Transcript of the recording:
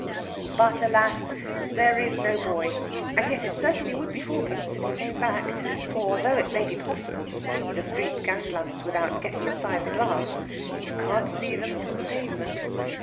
But, alas! there is no boy. And yet it certainly would be fourpence if he came back. For, though it may be possible to see the street gas lamps without getting inside the glass, you can't see them from the pavement.